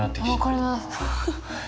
分かります。